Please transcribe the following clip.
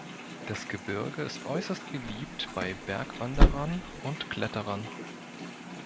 Das Gebirge ist äußerst beliebt bei Bergwanderern und Kletterern.